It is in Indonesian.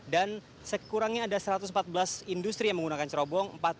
dan sekurangnya ada satu ratus empat belas industri yang menggunakan cerobong